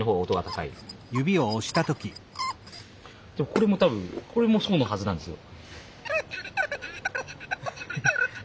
これも多分これもそうのはずなんですよ。